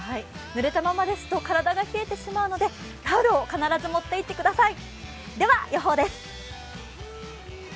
ぬれたままですと体が冷えてしまうのでタオルを必ず持っていってください。